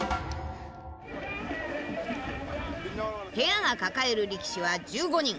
部屋が抱える力士は１５人。